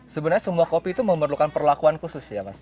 sebenarnya semua kopi itu memerlukan perlakuan khusus ya mas